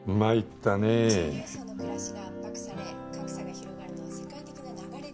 中流層の暮らしが圧迫され格差が広がるのは世界的な流れですが。